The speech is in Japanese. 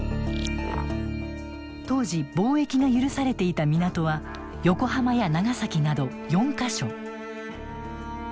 当時貿易が許されていた港は横浜や長崎など４か所。